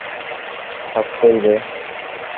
হাত খোল রে।